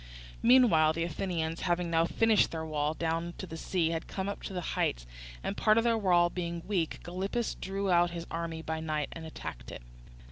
Meanwhile the Athenians, having now finished their wall down to the sea, had come up to the heights; and part of their wall being weak, Gylippus drew out his army by night and attacked it.